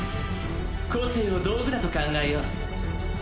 個性を道具だと考えよう！